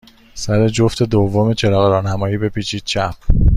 سر جفت دوم چراغ راهنمایی، بپیچید چپ.